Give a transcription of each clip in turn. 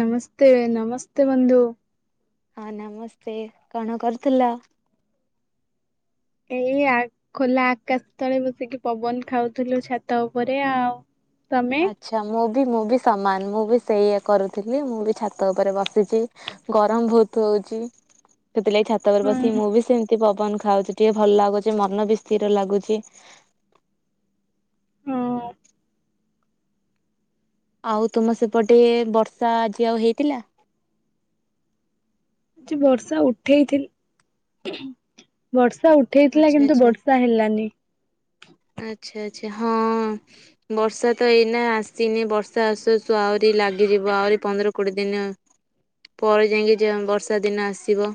ନମସ୍ତେ ନମସ୍ତେ ବନ୍ଧୁ ହଁ ନମସ୍ତେ କଣ କରୁଥିଲ? ଏଇ ଖୋଲା ଆକାଶ ତଳେ ବସିକି ପବନ ଖାଉଥିଲୁ ଛାତ ଉପରେ ଆଉ। ତମେ? ଆଛା ମୁଁ ମୁଁ ବି ସମାନ ମୁଁ ବି ସେଇୟା କରୁଥିଲି। ମୁଁ ବି ଛାତ ଉପରେ ବସିଛି ଗରମ ବହୁତ ହଉଛି। ସେଥିଲାଗି ଛାତ ଉପରେ ବସି ହୁଁ। ମୁଁ ବି ସେମିତି ପବି ପବନ ଖାଉଛି ଟିକେ ଭଲ ଲାଗୁଚି ମନ ବି ସ୍ଥିର ଲାଗୁଛି। ହଁ ଆଉ ତୁମ ସେପଟେ ବର୍ଷା ଆଜି ଆଉ ହେଇଥିଲା? ବର୍ଷା ଉଠେଇଥିଲା ବର୍ଷା ବର୍ଷା ଉଠେଇଥିଲା ଆଚ୍ଛା କିନ୍ତୁ ଆଚ୍ଛା ବର୍ଷା ହେଲାନି। ଆଛା ହଁ ବର୍ଷା ତ ଏଇନା ଆସିନି ବର୍ଷା ଆସୁ ଆହୁରି ଲାଗିଯିବ ଆହୁରି ପନ୍ଦର କୋଡ଼ିଏ ଦିନ ପରେ ଯାଇକି ବର୍ଷା ଦିନ ଆସିବ।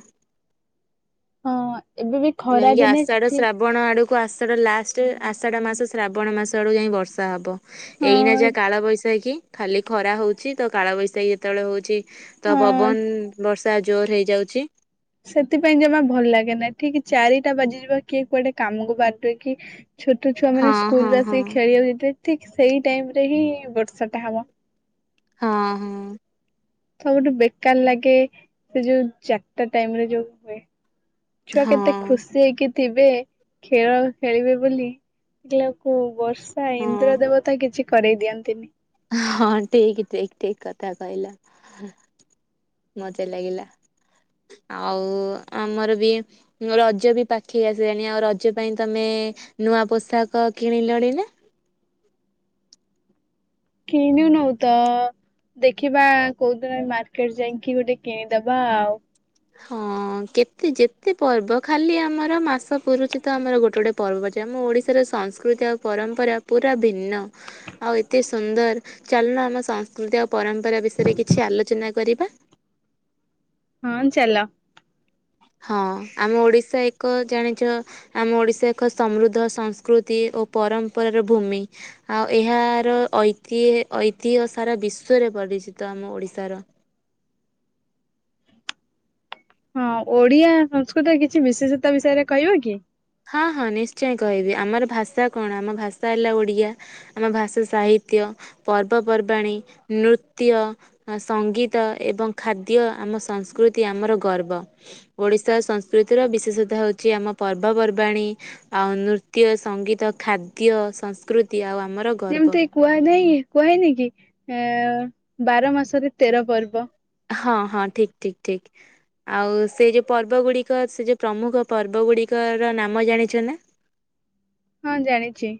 ହଁ ଏବେ ବି ଖରା ଯାଇକି ଦିନେ ଆଷାଢ଼ ଠିକ ଶ୍ରାବଣ ଆଡୁ କୁ ଆଷାଢ଼ ଲାଷ୍ଟ ଆଷାଢ଼ ମାସ ଶ୍ରାବଣ ମାସ ଆଡ଼କୁ ଯାଇ ବର୍ଷା ହେବ। ହଁ ଏଇନା ଯା କାଳ ବୈଶାଖି ଖାଲି ଖରା ହଉଛି ତ କାଳବୈଶାଖୀ ଯେତେବେଳେ ହଉଛି ତ ହଁ। ପବନ ବର୍ଷା ତା ଜୋରେ ହେଇଯାଉଛି ସେଥିପାଇଁ ଜମା ଭଲ ଲାଗେ ନାହିଁ ଠିକ ଚାରିଟା ବାଜିଯିବ କିଏ କୁଆଡେ କାମକୁ ବାରିବେ କି ଛୋଟ ଛୁଆ ମାନେ ହଁ ସ୍କୁଲ ହଁ ରେ ହଁ ଆସିକି ଖେଳିବାକୁ ଯେତେବେ ଠିକ ସେଇ ଟାଇମ ରେ ହିଁ ବର୍ଷା ଟା ହବ। ହଁ ହଁ ସବୁଠୁ ବେକାର ଲାଗେ ସେ ଯୋଉ ଚାରିଟା ଟାଇମରେ ଯୋଉ ହୁଏ ଛୁଆ ହଁ କେତେ ଖୁସି ହେଇକି ଥିବେ ଖେଳ ଖେଳିବେ ବୋଲି [unintelligible] ବର୍ଷ ସା ହଁ ଇନ୍ଦ୍ର ଦେବତା କିଛି କରିଦିଅନ୍ତିନି ହଁ ଠିକ ଠିକ ଠିକ କଥା କହିଲ ମଜା ଲାଗିଲା ଆଉ ଆମର ବି ରଜ ବି ପାଖେଇ ଆସିଲାଣି ଆଉ ରଜ ପାଇଁ ତମେ ନୂଆ ପୋଷାକ କିଣିଲଣି ନା? କିଣିନୁତ ଦେଖିବା କୋଉଦିନ ମାର୍କେଟ ଯାଇକି ଗୋଟେ କିଣିଦବା ଆଉ। ହଁ କେତେ ଯେତେ ପର୍ବ ଖାଲି ଆମର ମାସ ପୂରୁଛି ତ ଆମର ଗୋଟେ ଗୋଟେ ପର୍ବ ଅଛି। ଆମ ଓଡିଶାର ସଂସ୍କୃତି ଆଉ ପରମ୍ପରା ପୁରା ଭିନ୍ନ ଆଉ ଏତେ ସୁନ୍ଦର ଚାଲୁଣ ଆମ ସଂସ୍କୃତି ଆଉ ପରମ୍ପରା ବିଷୟରେ କିଛି ଆଲୋଚନା କରିବା। ହଁ ଚାଲ ହଁ ଆମ ଓଡିଶା ଏକ ଜାଣିଛ ଆମ ଓଡିଶା ଏକ ସମୃଦ୍ଧ ସଂସ୍କୃତି ଓ ପରମ୍ପରାର ଭୂମି ଆଉ ଏହାର ଐତିହ ଐତିହ୍ୟ ସାରା ବିଶ୍ଵରେ ପରିଚିତ ଆମ ଓଡିଶାର। ହଁ ଓଡିଆ ସଂସ୍କୃତି କିଛି ବିଶେଷତା ବିଷୟରେ କହିବ କି? ହଁ ହଁ ନିଶ୍ଚୟ କହିବି ଆମର ଭାଷା କଣ ଆମ ଭାଷା ହେଲା ଓଡ଼ିଆ ଆମ ଭାଷା ସାହିତ୍ୟ ପର୍ବପର୍ବାଣୀ ନୃତ୍ୟ ସଙ୍ଗୀତ ଏବଂ ଖାଦ୍ୟ ଆମ ସଂସ୍କୃତି ଆମର ଗର୍ବ ଓଡ଼ିଶା ସଂସ୍କୃତିର ବିଶେଷତା ହେଉଛି ଆମ ପର୍ବ ପର୍ବପର୍ବାଣୀ ଆଉ ନୃତ୍ୟ ସଙ୍ଗୀତ ଖାଦ୍ୟ ସଂସ୍କୃତି ଆଉ ଆ ଯେମିତି କୁହା ଯାଇ କୁହାହେଇନି କି ଆଁ ବାର ମାସରେ ତେର ପର୍ବ। ହଁ ହଁ ଠିକ ଠିକ ଠିକ ଆଉ ସେ ଯୋଉ ପର୍ବ ଗୁଡିକ ସେ ଯୋଉ ପ୍ରମୁଖ ପର୍ବ ଗୁଡିକର ନାମ ଜାଣିଛ ନା? ହଁ ଜାଣିଛି।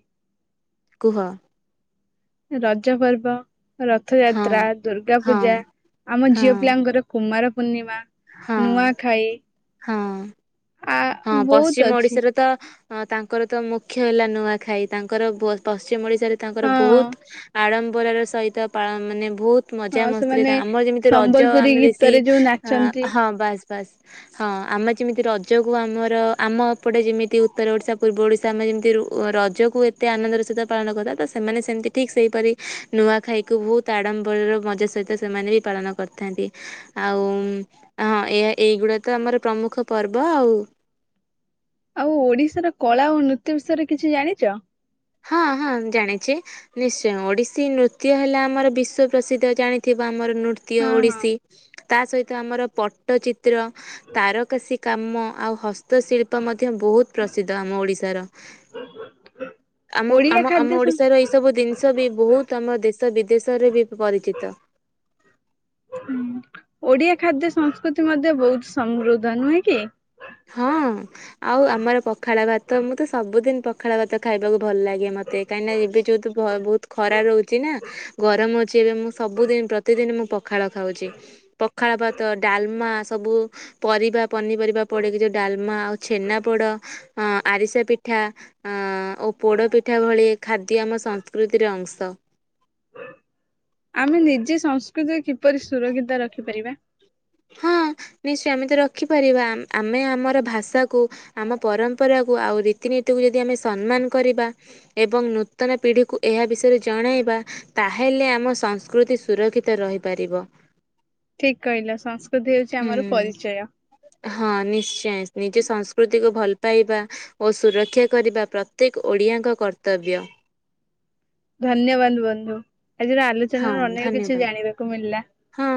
କୁହ ରଜ ପର୍ବ ହଁ ରଥଯାତ୍ରା, ଦୁର୍ଗା ହଁ ପୂଜା, ଆମ ହଁ ଝିଅ ପିଲାଙ୍କର କୁମାର ପୂର୍ଣିମା ହଁ ହଁ ଆ ହଁ ବହୁତ ପଶ୍ଚିମ ଅଛି ଓଡିଶାରେ ତ ହଁ ତାଙ୍କର ତ ମୁଖ୍ୟ ହେଲା ନୂଆଖାଇ ତାଙ୍କର ପ ପଶ୍ଚିମ ଓଡ଼ିଶା ରେ ତାଙ୍କର ହଁ ବହୁତ ଆଡ଼ମ୍ ବର ର ସହିତ ପା ମାନେ ବହୁତ ମଜା ହଁ ମସ୍ତିରେ ସେମାନେ ତ ଆମର ଯେମିତି ରଜ ସମ୍ବଲପୁରୀ ଆମେ ବେଶୀ ଗୀତରେ ଯୋଉ ଅ ନାଚନ୍ତି ହଁ ବାସ ବାସ୍ ହଁ ଆମେ ଯେମିତି ରଜ ରଜକୁ ଆମର ଆମ ଏପଟେ ଯେମିତି ଉତ୍ତର ଓଡ଼ିଶା ପୂର୍ବ ଓଡ଼ିଶା ଆମେ ଯେମିତି ରଜକୁ ଏତେ ଆନନ୍ଦର ସହିତ ପାଳନ କରିଥା ଉ ତ ସେମାନେ ସେମିତି ଠିକ୍ ସେହିପରି ନୂଆଖାଇକୁ ବହୁତ ଆଡ଼ମ୍ବର ର ମଜା ସହିତ ସେମାନେ ବି ପାଳନ କରିଥାନ୍ତି। ଆଉ ଉଁ ହଁ ଏ ଏଇଗୁଡ଼ା ତ ଆମର ପ୍ରମୁଖ ପର୍ବ। ବ ଆଉ ଆଉ ଓଡିଶାର କଳା ଓ ନୃତ୍ୟ ବିଷୟରେ କିଛି ଜାଣିଛ? ହଁ ହଁ ଜାଣିଛି ନିଶ୍ଚୟ ଓଡିଶୀ ନୃତ୍ୟ ହେଲା ଆମର ବିଶ୍ଵ ପ୍ରସିଦ୍ଧ ଜାଣିଥିବା ଆମର ନୃତ୍ୟ ହଁ ହଁ ଓଡ଼ିଶୀ। ତା ସହିତ ଆମର ପଟ୍ଟଚିତ୍ର ତାରକାସୀ କାମ ଆଉ ହସ୍ତଶିଳ୍ପ ମଧ୍ୟ ବହୁତ ପ୍ରସିଦ୍ଧ ଆମ ଓଡ଼ିଶାର। [inaudible] ଆମ ଓଡିଆ ଆମ ଆମ ଖାଦ୍ୟ ସଂସ୍ ଓଡିଶାର ଏଇ ସବୁ ଜିନିଷ ବି ବହୁତ ଆମ ଦେଶ ବିଦେଶରେ ବି ପରିଚିତ। ଓଡିଆ ଖାଦ୍ୟ ସଂସ୍କୃତି ମଧ୍ୟ ବହୁତ ସମୃଦ୍ଧ ନୁହେଁ କି? ହଁ ଆଉ ଆମର ପଖାଳ ଭାତ ମୁଁ ତ ସବୁଦିନ ପଖାଳ ଭାତ ଖାଇବାକୁ ଭଲ ଲାଗେ ମତେ କାହିଁକିନା ଏବେ ଯେତୁ ବହୁତ ଖରା ରହୁଛି ନା ଗରମ ହଉଛି ଏବେ ମୁଁ ସବୁଦିନ ପ୍ରତିଦିନ ମୁଁ ପଖାଳ ଖାଉଛି। ପଖାଳ ଭାତ ଡାଲମା ସବୁ ପରିବା ପନିପରିବା ପଡ଼ିକି ଯୋଉ ଡାଲମା ଆଉ ଛେନା ପୋଡ଼ ଆରିସା ପିଠା ଆ ଓ ପୋଡ଼ ପିଠା ଭଳି ଖାଦ୍ୟ ଆମ ସଂସ୍କୃତିର ଅଂଶ। ଆମେ ନିଜେ ସଂସ୍କୃତି କିପରି ସୁରକ୍ଷିତ ରଖିପାରିବା? ହଁ ନିଶ୍ଚୟ ଆମେ ତ ରଖିପାରିବା ଆମେ ଆମର ଭାଷାକୁ ଆମ ପରମ୍ପରାକୁ ଆଉ ରୀତିନୀତିକୁ ଯଦି ଆମେ ସମ୍ମାନ କରିବା ଏବଂ ନୂତନ ପିଢ଼ିକୁ ଏହା ବିଷୟରେ ଜଣାଇବା ତାହେଲେ ଆମ ସଂସ୍କୃତି ସୁରକ୍ଷିତ ରହିପାରିବ । ଠିକ କହିଲ। ସଂସ୍କୃତି ହେଉଚି ଆମର ପରିଚୟ । ହଁ ନିଶ୍ଚୟ ନିଜ ସଂସ୍କୃତିକୁ ଭଲ ପାଇବା ଓ ସୁରକ୍ଷା କରିବା ପ୍ରତ୍ୟେକ ଓଡ଼ିଆଙ୍କ କର୍ତ୍ତବ୍ୟ । ଧନ୍ୟବାଦ ବନ୍ଧୁ । ହଁ ଧନ୍ୟବାଦ। ମିଳିଲା ହଁ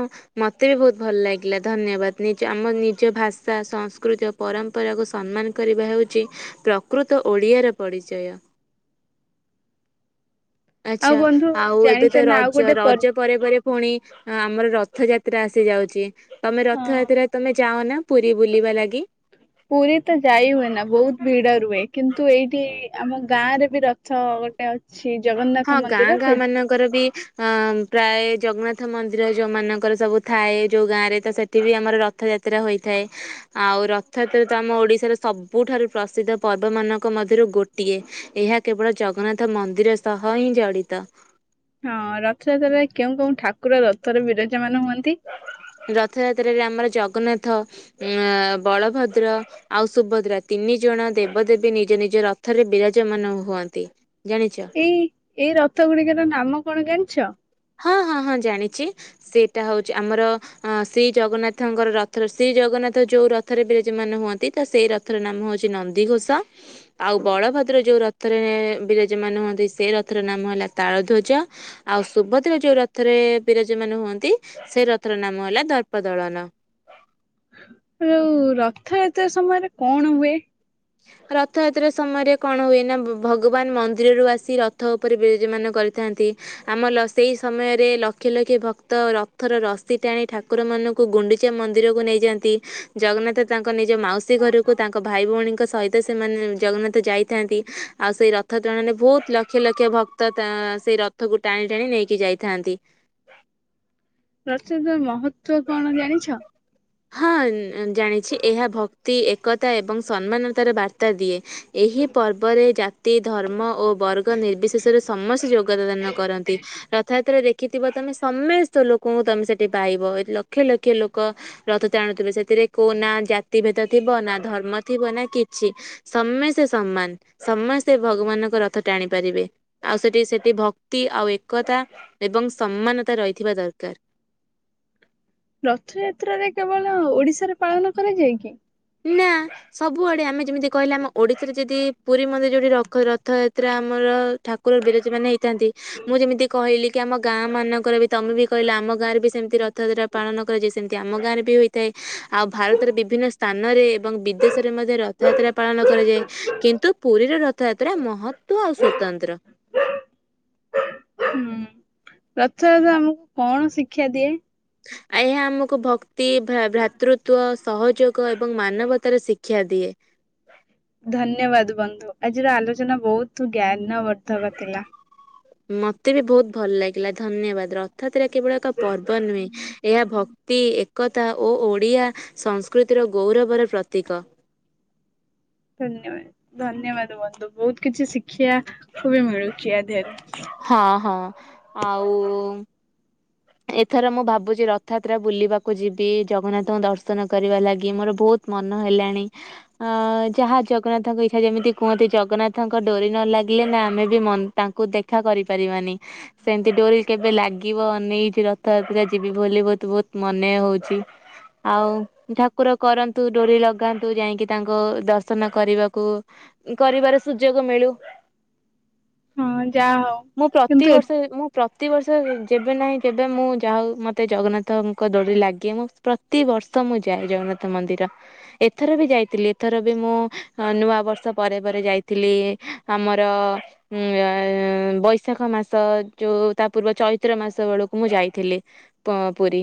ମତେ ବି ବହୁତ ଭଲ ଲାଗି ଗିଲା ଧନ୍ୟବାଦ। ନିଜ ଆମ ନିଜ ଭାଷା ସସ୍କୃତି ଓ ପରମ୍ପରାକୁ ସମ୍ମାନ କରିବା ହେଉଛି ପ୍ରକୃତ ଓଡ଼ିଆର ପରିଚୟ । ଆଉ ବନ୍ଧୁ ଜାଣିଛ? ତ ନା ଆଉ ରଜ ଗୋଟେ ପର୍ବ ରଜ ପରେ ପରେ ପୁଣି ଆମର ରଥଯାତ୍ରା ଆସି ଯାଉଚି। ତମେ ହଁ ରଥଯାତ୍ରାରେ ତମେ ଯାଅ ନା? ପୁରୀ ବୁଲିବା ଲାଗି । ପୁରୀ ତ ଯାଇ ହୁଏ ନା ବହୁତ ଭିଡ ରୁହେ କିନ୍ତୁ ଏଇଠି ଆମ ଗାଁରେ ବି ରଥ ଗୋଟେ ଅ ହଁ ଗାଁ ଗାଁ ମାନଙ୍କର ବି ଅ ପ୍ରାୟ ଜଗନ୍ନାଥ ମନ୍ଦିର ଯଉଁମାନଙ୍କର ସବୁ ଥାଏ ଯଉଁ ଗାଁରେ ତ ସେଠି ବି ଆମର ରଥଯାତ୍ରା ହୋଇଥାଏ ଆଉ ରଥଯାତ୍ରା ତ ଆମ ଓଡ଼ିଶାର ସବୁଠାରୁ ପ୍ରସିଦ୍ଧ ପର୍ବ ମାନଙ୍କ ମଧ୍ୟରୁ ଗୋଟିଏ। ଏହା କେବଳ ଜଗନ୍ନାଥ ମନ୍ଦିର ସହ ହଁ ଜଡିତ। ହଁ ରଥଯାତ୍ରାରେ କେଉଁ କେଉଁ ଠାକ ର ରଥରେ ବିରାଜ ମାନ ହୁଅନ୍ତି। ରଥଯାତ୍ରରେ ଆମର ଜଗନ୍ନାଥ ଜଗନ୍ନାଥ ଉ ବଳଭଦ୍ର ଆଉ ସୁଭଦ୍ରା ତିନି ଜଣ ଦେବଦେବୀ ନିଜ ନିଜ ରଥରେ ବିରାଜମାନ ହୁଅନ୍ତି। ଜାଣିଛ ଏଇ ଏଇ ରଥ ଗୁଡିକର ନାମ କଣ ଜାଣିଚ? ହଁ ହଁ ହଁ ଜାଣିଚି। ସେଇଟା ହଉଚି ଆମର ଶ୍ରୀ ଜଗନ୍ନାଥଙ୍କର ରଥର ଶ୍ରୀ ଜଗନ୍ନାଥ ଯୋଉ ରଥରେ ବିରାଜ ମାନ ହୁଅନ୍ତି ତ ସେଇ ରଥର ନାମ ହଉଛି ନନ୍ଦିଘୋଷ। ଆଉ ବଳଭଦ୍ର ଯୋଉ ରଥରେ ବିରାଜ ମାନ ହୁଅନ୍ତି ସେ ରଥର ନାମ ହେଲା ତାଳ ଧ୍ୱଜ ଆଉ ସୁଭଦ୍ର ଯୋଉ ରଥରେ ବିରାଜ ମାନ ହୁଅନ୍ତି ସେଇ ରଥର ନାମ ହେଲା ଦର୍ପ ଦଳନ। ରଉ ରଥଯାତ୍ରା ସମୟରେ କଣ ହୁଏ? ରଥଯାତ୍ରା ସମୟରେ କଣ ହୁଏ ନା ଭ- ଭଗବାନ ମନ୍ଦିରରୁ ଆସି ରଥ ଉପରେ ବିରଜମାନ କରିଥାନ୍ତି। ଆମର ସେଇ ସମୟରେ ଲକ୍ଷ ଲକ୍ଷ ଭକ୍ତ ରଥର ରସି ଟାଣି ଠାକୁରମାନଙ୍କୁ ଗୁଣ୍ଡିଚା ମନ୍ଦିରକୁ ନେଇଯାଆନ୍ତି। ଜଗନ୍ନାଥ ତାଙ୍କ ନିଜ ମାଉସୀ ଘରକୁ ତାଙ୍କ ଭାଇ ଭଉଣୀଙ୍କ ସହିତ ସେମାନେ ଜଗନ୍ନାଥ ଯାଇଥାନ୍ତି ଆଉ ସେଇ ରଥ ତୁଳନାରେ ବହୁତ ଲକ୍ଷ ଲକ୍ଷ ଭକ୍ତ ତା ସେଇ ରଥକୁ ଟାଣି ଟାଣି ନେଇକି ଯାଇଥାନ୍ତି। ରଥତ ମହତ୍ୱ କଣ ଜାଣିଛ? ହଁ ଜାଣିଛି ଏହା ଭକ୍ତି ଏକତା ଏବଂ ସମ୍ମାନତାର ବାର୍ତ୍ତା ଦିଏ। ଏହି ପର୍ବରେ ଜାତି ଧର୍ମ ଓ ବର୍ଗ ନିର୍ବିଶେଷରେ ସମସ୍ତେ ଯୋଗଦାନ କରନ୍ତି। ରଥଯାତ୍ରା ଦେଖିଥିବ ତମେ ସମସ୍ତ ଲୋକଙ୍କୁ ତମେ ସେଠି ପାଇବ। ଲକ୍ଷେ ଲକ୍ଷେ ଲୋକ ରଥ ଟାଣୁଥିବେ, ସେଥିରେ କୋ ନା ଜାତି ଭେଦ ଥିବ ନା ଧର୍ମ ଥିବ ନା କିଛି ସମସ୍ତେ ସମ୍ମାନ। ସମସ୍ତେ ଭଗବାନଙ୍କ ରଥ ଟାଣି ପାରିବେ। ଆଉ ସେଠି ସେଠି ଭକ୍ତି ଆଉ ଏକତା ଏବଂ ସମାନତା ରହିଥିବା ଦରକାର। ରଥଯାତ୍ରାରେ କେବଳ ଓଡିଶାରେ ପାଳନ କରାଯାଇଏ କି? ନା ସବୁଆଡ଼େ ଆମେ ଯେମିତି କହିଲେ ଆମ ଓଡ଼ିଶାରେ ଯଦି ପୁରୀ ମନ୍ଦିରରେ ଯଉଁଠି ର ରଥଯାତ୍ରା ଆମର ଠାକୁର ବିରାଜ ମାନ ହେଇଥାନ୍ତି ମୁଁ ଯେମିତି କହିଲି କି ଆମ ଗାଁ ମାନଙ୍କର ବି ତମେ ବି କହିଲା ଆମ ଗାଁରେ ବି ସେମିତି ରଥଯାତ୍ରା ପାଳନ କରାଯାଏ ସେମିତି ଆମ ଗାଁରେ ବି ହୋଇଥାଏ ଆଉ ଭାରତର ବିଭିନ୍ନ ସ୍ଥାନରେ ଏବଂ ବିଦେଶରେ ମଧ୍ୟ ରଥଯାତ୍ରା ପାଳନ କରାଯାଏ କିନ୍ତୁ ପୁରୀର ରଥଯାତ୍ରା ମହତ୍ୱ ଆଉ ସ୍ୱତନ୍ତ୍ର। ହୁଁ ରଥଯାତ୍ରା ଆମକୁ କଣ ଶିକ୍ଷା ଦିଏ? ଆହ୍ୟା ଆମକୁ ଭକ୍ତି, ଭ୍ରା- ଭ୍ରାତୃତ୍ୱ, ସହଯୋଗ ଏବଂ ମାନବତାର ଶିକ୍ଷା ଦିଏ। ଧନ୍ୟବାଦ ବନ୍ଧୁ। ଆଜିର ଆଲୋଚନା ବହୁତ ଜ୍ଞାନ ବର୍ଦ୍ଧକ ଥିଲା। ମତେ ବି ବହୁତ ଭଲ ଲାଗିଲା ଧନ୍ୟବାଦ। ରଥଯା ତ୍ରା କେବଳ ଏକ ପର୍ବ ନୁହେଁ। ଏହା ଭକ୍ତି ଏକତା ଓ ଓଡ଼ିଆ ସଂସ୍କୃତିର ଗୌରବର ପ୍ରତୀକ। ଧନ୍ୟବାଦ ଧନ୍ୟବାଦ ବନ୍ଧୁ। ବହୁତ କିଛି ଶି୍ଖିବାକୁ ବି ମିଳୁଛି ଆଧିଅରୁ। ହଁ ହଁ। ଆଉ। ଏଥର ମୁଁ ଭାବୁଚି ରଥା ଯାତ୍ରା ବୁଲିବାକୁ ଯିବି ଜଗନ୍ନାଥଙ୍କ ଦର୍ଶନ କରିବା ଲାଗି ମୋର ବହୁତ ମନ ହେଲାଣି ଅ ଯାହା ଜଗନ୍ନାଥଙ୍କ ଇଚ୍ଛା ଯେମିତି କୁହନ୍ତି ଜଗନ୍ନାଥଙ୍କ ଡୋରି ନ ଲାଗିଲେ ନା ଆମେ ବି ତାଙ୍କୁ ଦେଖା କରିପାରିବାନି ସେମିତି ଡୋରି କେବେ ଲାଗିବ ନେଇ ରଥଯାତ୍ରା ଯିବି ବୋଲି ବହୁତ ବହୁତ ମନେ ହଉଚି ଆଉ ଠାକୁର କରନ୍ତୁ ଡୋରି ଲଗାନ୍ତୁ ଯାଇକି ତାଙ୍କ ଦର୍ଶନ କରିବାକୁ କରିବାର ସୁଯୋଗ ମିଳୁ। ହଁ ଯାହା ହଉ ମୁଁ କିନ୍ତୁ ଏ ପ୍ରତିିବର୍ଷ ମୁଁ ପ୍ର ତି ବର୍ଷ ଯବେ ନାହିଁ କେବେ ମୁଁ ଯା ହଉ ମତେ ଜଗନ୍ନାଥଙ୍କ ଡୋରି ଲାଗେ ମୁଁ ପ୍ରତିିବର୍ଷ ମୁଁ ଯାଏ ଜଗନ୍ନାଥ ମନ୍ଦିର ଏଥର ବି ଯାଇଥିଲି ଏଥର ବି ମୁଁ ନୂଆ ବର୍ଷ ପରେ ପରେ ଯାଇଥିଲି ଆମର ଉ ବୈଶାଖ ମାସ ଯୋଉ ତା ପୂର୍ବ ଚୈତ୍ର ମାସ ବେଳ କୁ ମୁଁ ଯାଇଥିଲି ତ ପୁରୀ।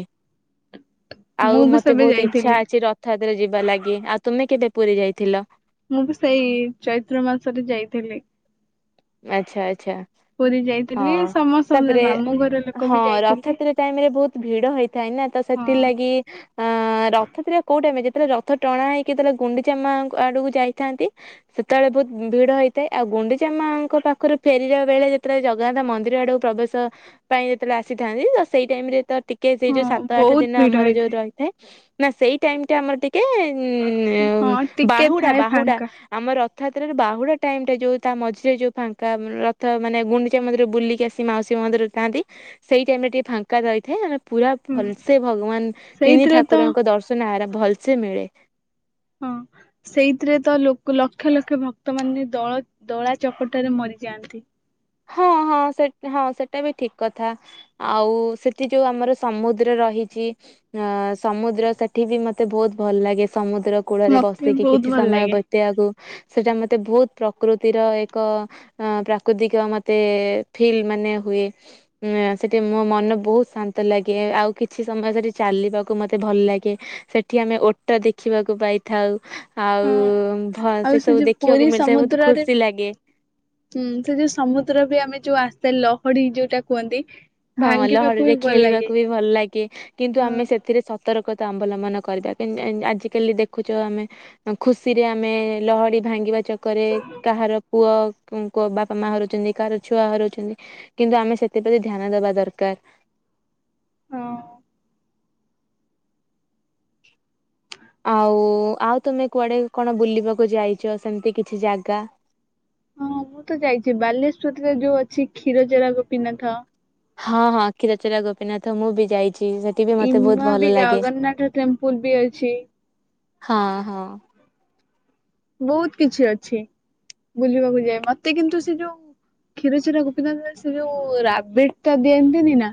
ମୁଁ ଆଉ ବି ମତେ ସେବେ ବହୁତ ଇଚ୍ଛା ଯାଇଥିଲି ଅଛି ରଥଯାତ୍ରା ଯି ଲାଗି ଆଉ ତୁମେ କେବେ ପୁରୀ ଯାଇଥିଲ। ମୁଁ ବି ସେଇ ଚୈତ୍ର ମାସରେ ଯାଇଥିଲି ଆଚ୍ଛା ଆଚ୍ଛା ପୁରୀ ଯାଇଥିଲି ହଁ ସମସ୍ତ ତାପରେ ମାମୁ ଘର ଲୋକ। ହଁ ବି ଯାଇଥିଲେ ରଥଯାତ୍ରା ଟାଇମ ରେ ବହୁତ ଭିଡ ହେଇଥାଏ ନା ତ ହଁ। ସେଥିଲାଗି ଅ ରଥଯାତ୍ରା କୋଉଟାଇମ ଯେ ପୁରା ରଥ ଟଣା ହେଇକି ଯେତେବେଳେ ଗୁଣ୍ଡିଚାମା ଆଡକୁ ଯାଇଥାନ୍ତି ସେତେବେଳେ ବହୁତ ଭିଡ ହେଇଥାଏ ଆଉ ଗୁଣ୍ଡିଚାମା ଙ୍କ ପାଖରୁ ଫେରିଲା ବେଳେ ଯେତେବେଳେ ଜଗନ୍ନାଥ ମନ୍ଦିର ଆଡକୁ ପ୍ରବେଶ ପାଇଁ ସେତେଳେ ଆସିଥାନ୍ତି ତ ସେଇ ଟାଇମ ରେ ତ ଟିକେ ସେଇ ଯୋଉ ହଁ ସାତ ଆଠ ବହୁତ ଦିନ ଭିଡ ଆମର ଯୋଉ ହେଇଥାଏ ରହିଥାଏ। ନା ସେଇ ଟାଇମ ଟା ଆମର ଟିକେ ହଁ ଉ ଟିକେ ବାହୁଡା ଥାଏ ବାହୁଡା ଫାଙ୍କା। ଆମର ରଥଯାତ୍ରା ରେ ବାହୁଡ଼ା ଟାଇମ୍ ଟା ଯଉ ତା ମଝିରେ ଯୋଉ ଫାଙ୍କା ରଥ ମାନେ ଗୁଣ୍ଡିଚା ମନ୍ଦିର ବୁଲିକି ଆସି ମାଉସୀ ମା ମନ୍ଦିର ଥାନ୍ତି। ସେଇ ଟାଇମ ରେ ଟିକେ ଫାଙ୍କା ରଇଥାଏ। ପୁରା ହୁଁ ଭଲସେ ଭଗବାନ ତିନି ସେଇଥିରେ ତ ଠାକୁରଙ୍କ ଦର୍ଶନ ଆର ଭଲସେ ମିଳେ। ହଁ ସେଇଥିରେ ତ ଲୋକ ଲ ଲକ୍ଷ ଲକ୍ଷ ଭକ୍ତମାନେ ଦଳ ଦଳା ଚକଟରେ ମରିଯାଆନ୍ତି। ହଁ ହଁ ସେ ହଁ ସେଟା ବି ଠିକ କଥା ଆଉ ସେଠି ଯୋଉ ଆମର ସମୁଦ୍ର ରହିଛି ଅ ସମୁଦ୍ର ସେଠି ବି ମତେ ବହୁତ ଭଲ ଲାଗେ। ସମୁଦ୍ର କୂଳରେ ମତେ ବସିକି ବହୁତ କିଛି ଭଲ ସମୟ ଲାଗେ ବିତେଇବାକୁ। ସେଟା ମତେ ବହୁତ ପ୍ରକୃତିର ଏକ ଅ ପ୍ରାକୃତିକ ମ ମତେ ଫିଲ୍ ମାନେ ହୁଏ ସେଠି ମୋ ମନ ବହୁତ ଶାନ୍ତ ଲାଗେ ଆଉ କିଛି ସମୟ ସେଠି ଚାଲିବାକୁ ମତେ ଭଲ ଲାଗେ ସେଠି ଆମେ ଓଟ ଦେଖିବାକୁ ପାଇଥାଉ। ହଁ ଆଉ ଭ ଆଉ ସେ ସବୁ ଯୋଉ ଦେଖିବାକୁ ପୁରୀ ମିଳିଥାଏ ବହୁତ ସମୁଦ୍ରରେ ଖୁସି ଲାଗେ। ହୁଁ ସେ ଯୋଉ ସମୁଦ୍ର ଆମେ ଯୋଉ ଆସେ ଲହଡି ଯୋଉଟା କୁହନ୍ତି। ହଁ ଭାଙ୍ଗିବାକୁ ଲହଡି ବି ରେ ଭଲ ଲାଗେ ଖେଳିବାକୁ ବି ଭଲ ଲାଗେ କିନ୍ତୁ ହଁ ଆମେ ସେଥିରେ ସତର୍କ। ତା ଅବଲମ୍ବନ କରିବା ଆଜିକାଲି ଦେଖୁଚ ଆମେ ଖୁସିରେ ଆମେ ଲହଡି ଭାଙ୍ଗିବା ଚକରେ କାହାର ପୁଅ ବାପା ମା ହରଉଛନ୍ତି କାହାର ଛୁଆ ହରଉଛନ୍ତି କିନ୍ତୁ ଆମେ ସେଥିପତି ଧ୍ୟାନ ଦବା ଦରକାର। ହଁ। ଆଉ ଆଉ ତମେ କୁଆଡେ କଣ ବୁଲିବାକୁ ଯାଇଚ ସେମିତି କିଛି ଜାଗା? ହଁ ମୁଁ ତ ଯାଇଛି ବାଲେଶ୍ଵରରେ ଯୋଉ ଅଛି କ୍ଷୀରଚରା ଗୋପୀନାଥ। ହଁ ହଁ କ୍ଷୀରଚରା ଗୋପୀନାଥ ମୁଁ ବି ଯାଇ ଇମା ବି ଜଗନ୍ନାଥ ଟେମ୍ପୁଲ ବି ଅଛି। ହଁ ହଁ ବହୁତ କିଛି ଅଛି ବୁଲିବାକୁ ଯାଏ ମତେ କିନ୍ତୁ ସେ ଯୋଉ କ୍ଷୀରଚୋରା ଗୋପିନାଥ ସେ ଯୋଉ ରବିଡିଟା ଦିଅନ୍ତିନି ନା।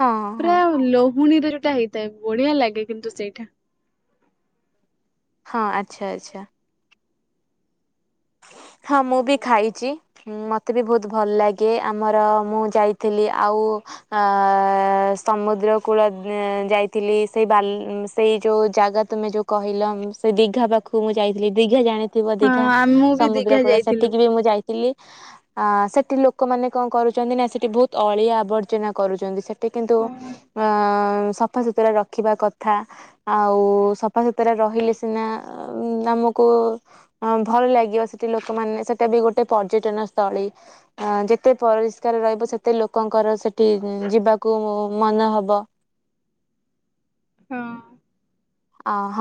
ହଁ ହଁ ପୂରା ଲୋକ ପୁଣିରେ ଯଉଟା ହେଇଥାଏ ବଢିଆ ଲାଗେ କିନ୍ତୁ ସେଇଟା। ହଁ ଆଚ୍ଛା ଆଚ୍ଛା। ହଁ ମୁଁ ବି ଖାଇଚି। ମତେ ବି ବହୁତ ଭଲ ଲାଗେ ଆମର ମୁଁ ଯାଇଥିଲି ଆଉ ଅ ସମୁଦ୍ର କୂଳ ଯାଇଥିଲି। ସେଇ ବାଲି ସେଇ ଯୋଉ ଜାଗା ତମେ ଯୋଉ କହିଲ ସେ ଦିଘା ପାଖକୁ ମୁଁ ଯାଇଥିଲି ଦିଘା ଜାଣିି ଥିବ ହଁ ଦୀଘା। ଆ ମୁଁ ବି ସମୁଦ୍ର ଦିଘା କୂଳ ଯାଇଥିଲୁ। ସେଠିକି ବି ମୁଁ ଯାଇଥିଲି। ଆ ସେଠି ଲୋକମାନେ କଣ କରୁଚନ୍ତି ନା ସେଠି ବହୁତ ଅଳିଆ ଆବର୍ଜନା କରୁଚନ୍ତି ସେଠି କିନ୍ତୁ ଅ ସଫା ସୁୁତୁରା ରଖିବା କଥା ଆଉ ସଫା ସୁତୁରା ରହିଲେ ସିନା ଆମକୁ ଅ ଭଲ ଲାଗିବ। ସେଠି ଲୋକମାନେ ସେଟା ବି ଗୋଟେ ପର୍ଯ୍ୟଟନ ସ୍ଥଳୀ। ଅ ଯେତେ ପରିଷ୍କାର ରହିବ ସେତେ ଲୋକଙ୍କର ସେଠି ଯିବାକୁ ମନ ହବ। ହଁ। ଅ ହ